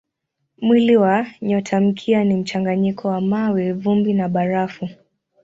Mwili wa nyotamkia ni mchanganyiko wa mawe, vumbi na barafu.